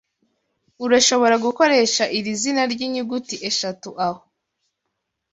urashobora gukoresha iri zina ryinyuguti eshatu aho